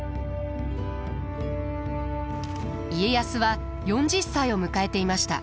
家康は４０歳を迎えていました。